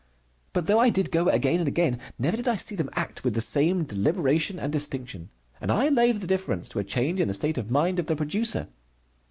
But though I did go again and again, never did I see them act with the same deliberation and distinction, and I laid the difference to a change in the state of mind of the producer.